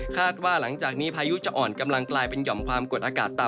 ว่าหลังจากนี้พายุจะอ่อนกำลังกลายเป็นหย่อมความกดอากาศต่ำ